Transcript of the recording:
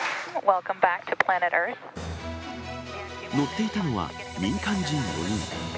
乗っていたのは、民間人４人。